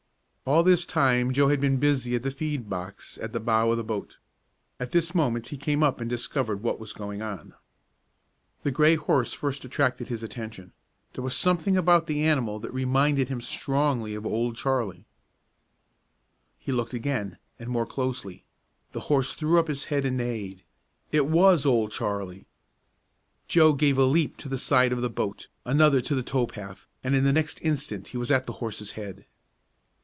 All this time Joe had been busy at the feed box at the bow of the boat. At this moment he came up and discovered what was going on. The gray horse first attracted his attention. There was something about the animal that reminded him strongly of Old Charlie. He looked again, and more closely. The horse threw up his head and neighed. It was Old Charlie! Joe gave a leap to the side of the boat, another to the tow path, and in the next instant he was at the horse's head.